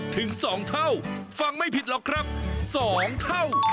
ถึง๒เท่าฟังไม่ผิดหรอกครับ๒เท่า